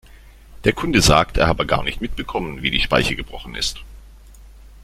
Der Kunde sagt, er habe gar nicht mitbekommen, wie die Speiche gebrochen ist.